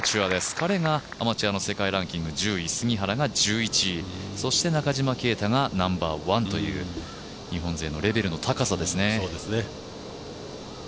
彼がアマチュアの世界ランキング１０位、そして中島啓太がナンバー１という日本勢のレベルの高さですね。